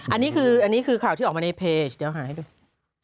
อันนี้คืออันนี้คือข่าวที่ออกมาในเพจเดี๋ยวหาให้ดู